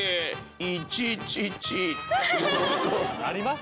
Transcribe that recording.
あります？